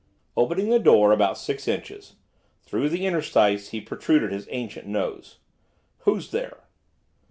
Opening the door about six inches, through the interstice he protruded his ancient nose. 'Who's there?